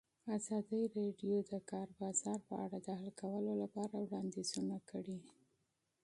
ازادي راډیو د د کار بازار په اړه د حل کولو لپاره وړاندیزونه کړي.